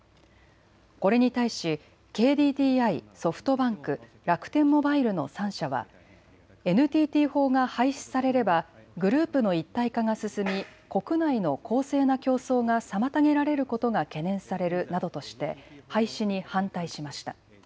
これに対しＫＤＤＩ、ソフトバンク、楽天モバイルの３社はＮＴＴ法が廃止されればグループの一体化が進み国内の公正な競争が妨げられることが懸念されるなどとして廃止に反対しました。